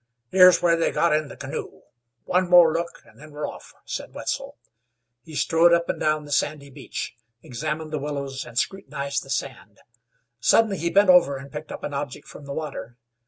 "Here's where they got in the canoe. One more look, an' then we're off," said Wetzel. He strode up and down the sandy beach; examined the willows, and scrutinized the sand. Suddenly he bent over and picked up an object from the water.